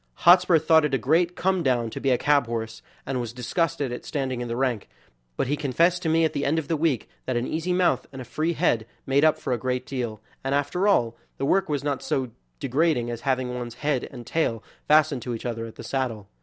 Hotspur thought it a great come down to be a cab horse, and was disgusted at standing in the rank, but he confessed to me at the end of the week that an easy mouth and a free head made up for a great deal, and after all, the work was not so degrading as having one's head and tail fastened to each other at the saddle.